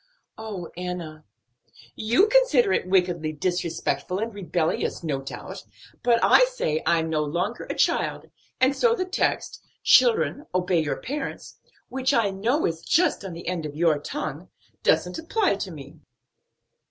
"Oh, Enna!" "You consider it wickedly disrespectful and rebellious no doubt, but I say I'm no longer a child, and so the text, 'Children obey your parents' which I know is just on the end of your tongue doesn't apply to me."